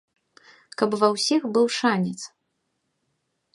Каб ва ўсіх быў шанец.